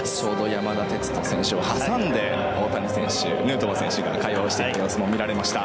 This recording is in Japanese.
山田哲人選手を挟んで大谷選手、ヌートバー選手が会話していく様子も見られました。